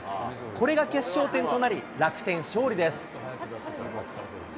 これが決勝点となり、楽天勝利です。